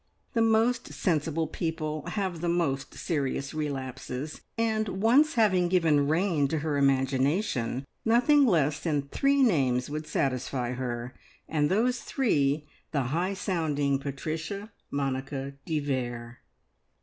The most sensible people have the most serious relapses, and once having given rein to her imagination nothing less than three names would satisfy her and those three the high sounding Patricia Monica de Vere.